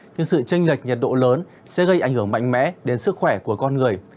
thì sự tranh lệch nhiệt độ lớn sẽ gây ảnh hưởng mạnh mẽ đến sức khỏe của con người